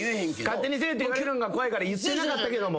「勝手にせえ！」って言われるんが怖いから言ってなかったけども。